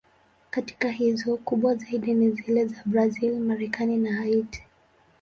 Katika hizo, kubwa zaidi ni zile za Brazil, Marekani na Haiti.